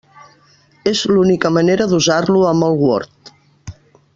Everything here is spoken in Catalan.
És l'única manera d'usar-lo amb el Word.